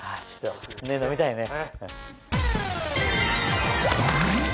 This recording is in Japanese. ねっ飲みたいね。